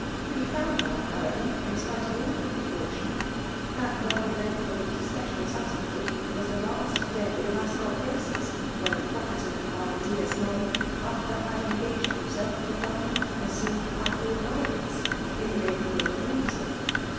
He found one, how* ever, in spite of all her precaution. That one erentfol and especial Saturday was the last day of Ascot Baces; when pKofitiag by tJbe dUer iMifi^ Aithnr bad engaged himself to diae 280 FEMALE DOMINATION. and sleep at Lord Kydal s, in the neighbour hood of Windsor.